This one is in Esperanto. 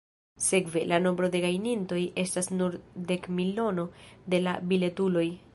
Sekve, la nombro de gajnintoj estas nur dekmilono de la biletuloj!